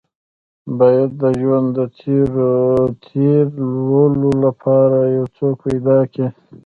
بايد د ژوند د تېرولو لپاره يو څوک پيدا کې.